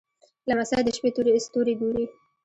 لمسی د شپې ستوري ګوري.